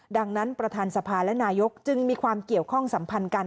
ดังนั้นประธานสภาและนายกจึงมีความเกี่ยวข้องสัมพันธ์กัน